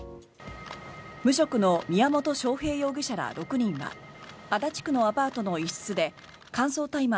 無職の宮本晶平容疑者ら６人は足立区のアパートの一室で乾燥大麻